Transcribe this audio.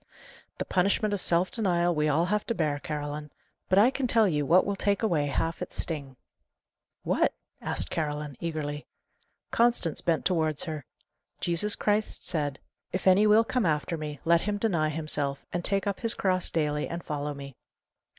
"The punishment of self denial we all have to bear, Caroline. But I can tell you what will take away half its sting." "What?" asked Caroline, eagerly. Constance bent towards her. "Jesus Christ said, 'If any will come after me, let him deny himself, and take up his cross daily, and follow me.